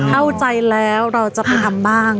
เข้าใจแล้วเราจะไปทำบ้าง